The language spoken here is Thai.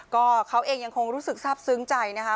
ก็เขาเองยังคงรู้สึกทราบซึ้งใจนะคะ